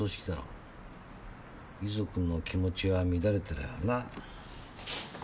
遺族の気持ちは乱れてらぁな。